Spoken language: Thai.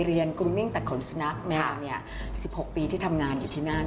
กุมมิ่งตัดขนสุนัขมา๑๖ปีที่ทำงานอยู่ที่นั่น